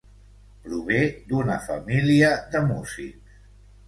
Prové d'una família de músics.